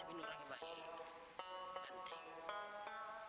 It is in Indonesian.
tapi orangnya baik